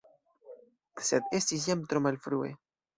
Sed estis jam tro malfrue.